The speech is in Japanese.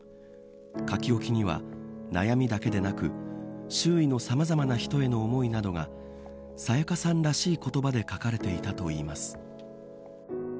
書き置きには悩みだけでなく周囲のさまざまな人への思いなどが沙也加さんらしい言葉で書かれていたといいます。